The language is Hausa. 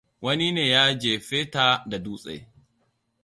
Wani ne ya jefe ta da dutse.